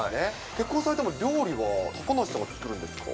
結婚されても料理は高梨さんが作るんですか？